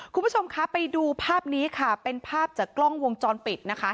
คุณผู้ชมคะไปดูภาพนี้ค่ะเป็นภาพจากกล้องวงจรปิดนะคะ